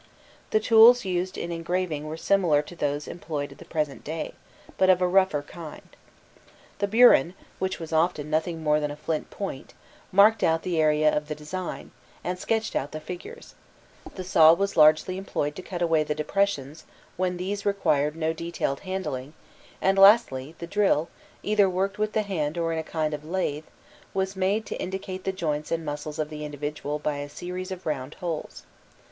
The tools used in engraving were similar to those employed at the present day, but of a rougher kind. The burin, which was often nothing more than a flint point, marked out the area of the design, and sketched out the figures; the saw was largely employed to cut away the depressions when these required no detailed handling; and lastly, the drill, either worked with the hand or in a kind of lathe, was made to indicate the joints and muscles of the individual by a series of round holes.